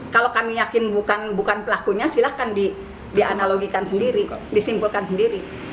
kalau kami yakin bukan pelakunya silahkan dianalogikan sendiri disimpulkan sendiri